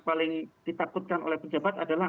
paling ditakutkan oleh pejabat adalah